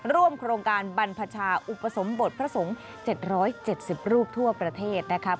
ร่วมโครงการบรรพชาอุปสมบทพระสงฆ์๗๗๐รูปทั่วประเทศนะครับ